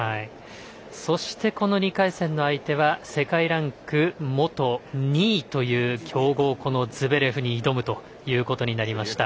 そしてこの２回戦の相手は世界ランク元２位という強豪、ズベレフに挑むということになりました。